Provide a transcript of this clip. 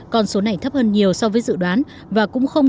còn số này thấp hơn nhiều so với dự đoán